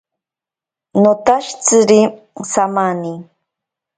Notashitsiri samani.